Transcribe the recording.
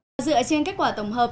và dựa trên kết quả tổng hợp